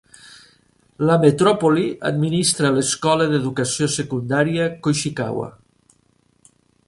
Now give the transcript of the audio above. La metròpoli administra l'escola d'educació secundària Koishikawa.